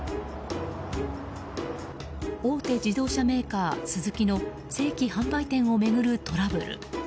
大手自動車メーカースズキの正規販売店を巡るトラブル。